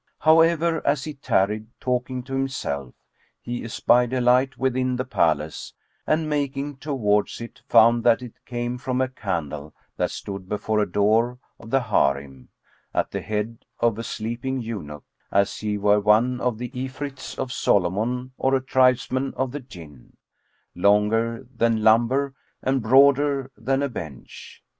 However, as he tarried talking to himself, he espied a light within the palace, and making towards it, found that it came from a candle that stood before a door of the Harim, at the head of a sleeping eunuch, as he were one of the Ifrits of Solomon or a tribesman of the Jinn, longer than lumber and broader than a bench.